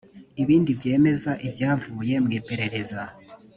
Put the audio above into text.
ibindi byemeza ibyavuye mu iperereza